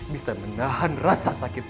bisa menahan rasa sakitnya